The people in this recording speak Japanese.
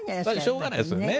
しょうがないですよね？